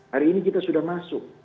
hari ini kita sudah masuk